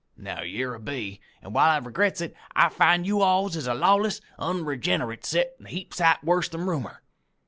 Now yere I be, an' while I regrets it, I finds you alls is a lawless, onregenerate set, a heap sight worse than roomer.